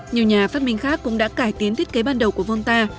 nhiều nhà phát minh khác cũng đã cải tiến thiết kế ban đầu của volta